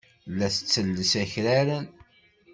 La tettelles akraren.